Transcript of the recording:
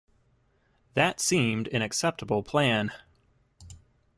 That seemed an acceptable plan.